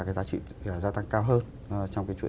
cái giá trị gia tăng cao hơn trong cái chuỗi